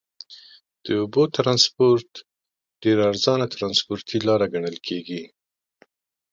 د اوبو ترانسپورت ډېر ارزانه ترنسپورټي لاره ګڼل کیږي.